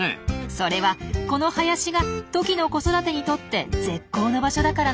それはこの林がトキの子育てにとって絶好の場所だからなんですよ。